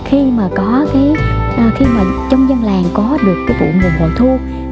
khi mà trong dân làng có được vụ nguồn hồi thua